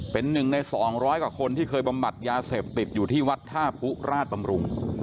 เป็นหนึ่งใน๒๐๐กว่าคนที่เคยบำบัดยาเสพติดอยู่ที่วัดท่าผู้ราชบำรุง